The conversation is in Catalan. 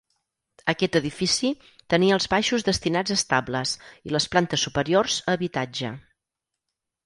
Aquest edifici tenia els baixos destinats a estables i les plantes superiors a habitatge.